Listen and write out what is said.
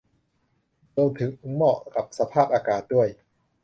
รวมถึงเหมาะกับสภาพอากาศด้วย